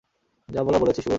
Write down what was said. যা বলার বলেছি, শুয়োর!